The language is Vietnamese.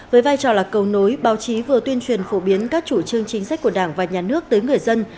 với vai trò là cầu nối báo chí vừa tuyên truyền phổ biến các chủ trương chính sách của đảng và nhà nước tới người dân